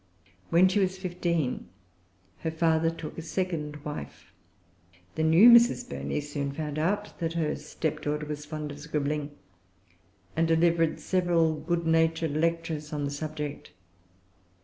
When she was fifteen, her father took a second wife. The new Mrs. Burney soon found out that her stepdaughter was fond of scribbling, and delivered several good natured lectures on the subject.